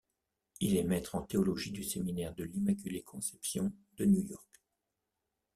Il est maître en théologie du Séminaire de l'Immaculée conception de New York.